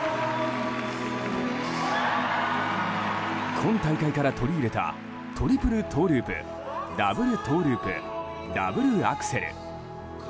今大会から取り入れたトリプルトウループダブルトウループダブルアクセル。